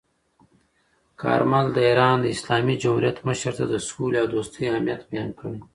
کارمل د ایران اسلامي جمهوریت مشر ته د سولې او دوستۍ اهمیت بیان کړ.